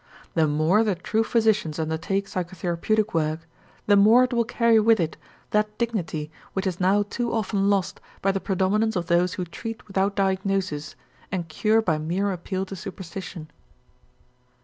The more the true physicians undertake psychotherapeutic work, the more it will carry with it that dignity which is now too often lost by the predominance of those who treat without diagnosis and cure by mere appeal to superstition.